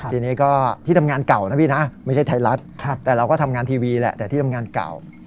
ทีนี้ก็ที่ทำงานเก่านะพี่นะไม่ใช่ไทยรัฐแต่เราก็ทำงานทีวีแหละแต่ที่ทำงานเก่า